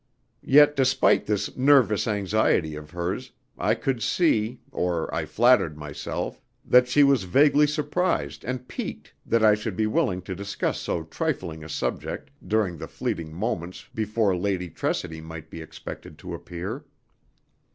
Yet despite this nervous anxiety of hers, I could see or I flattered myself that she was vaguely surprised and piqued that I should be willing to discuss so trifling a subject during the fleeting moments before Lady Tressidy might be expected to appear.